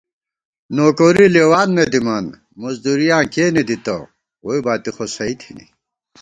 نوکوری لېوان نہ دِمان مُزدُوریاں کېنےدِتہ، ووئی باتی خو سَئ تھِنی